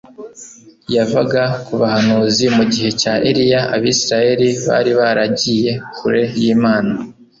yavaga ku bahanuzi. Mu gihe cya Eliya, abisiraeli bari baragiye kure y'Imana.